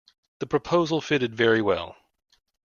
The proposal fitted very well.